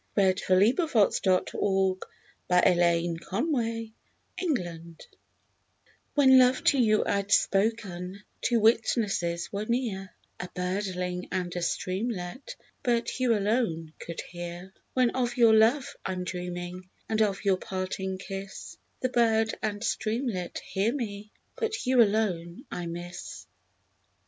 SONGS AND DREAMS When Love to You I'd Spoken When love to you Fd spoken, Two witnesses were near: A birdling and a streamlet, But you alone could hear. When of your love Fm dreaming, And of your parting kiss, The bird and streamlet hear me, But you alone I miss.